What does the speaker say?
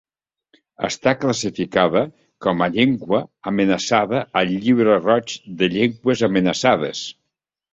Està classificada com a llengua amenaçada al Llibre Roig de Llengües Amenaçades.